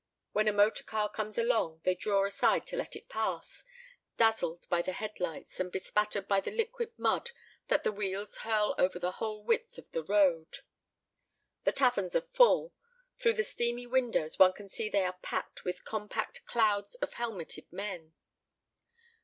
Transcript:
When a motor car comes along, they draw aside to let it pass, dazzled by the head lights, and bespattered by the liquid mud that the wheels hurl over the whole width of the road. The taverns are full. Through the steamy windows one can see they are packed with compact clouds of helmeted men.